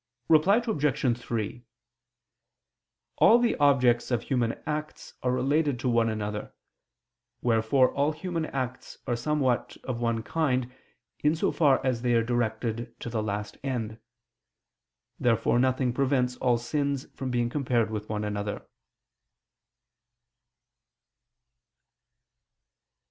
Reply Obj. 3: All the objects of human acts are related to one another, wherefore all human acts are somewhat of one kind, in so far as they are directed to the last end. Therefore nothing prevents all sins from being compared with one another.